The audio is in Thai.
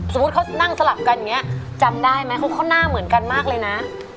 เขานั่งสลับกันอย่างนี้จำได้ไหมเขาหน้าเหมือนกันมากเลยนะ